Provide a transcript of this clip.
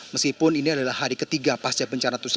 meskipun ini adalah hari ketiga pasca bencana